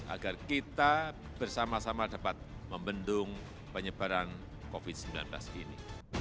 agar kita bersama sama dapat membendung penyebaran covid sembilan belas ini